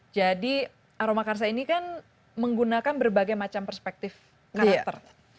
jadi aroma karsa ini kan menggunakan berbagai macam perspektif karakter